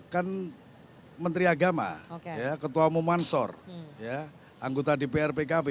kan menteri agama ketua mumansor anggota di prpkb